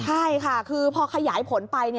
ใช่ค่ะคือพอขยายผลไป